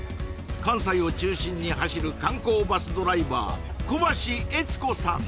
関西を中心に走る観光バスドライバー小橋悦子さん